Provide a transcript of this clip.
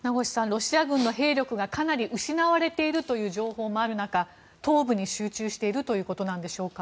ロシア軍の兵力がかなり失われているという情報もある中東部に集中しているということなんでしょうか。